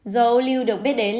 dầu ô lưu được biết đến